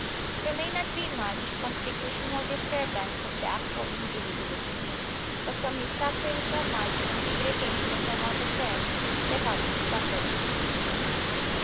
There may not be much constitutional disturbance from the actual injury to the skin, but from his suffering so much from the irritation and the want of rest the health suffers.